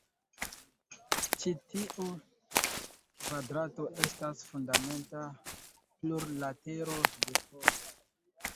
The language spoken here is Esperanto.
Ĉi tiu kvadrato estas fundamenta plurlatero de toro.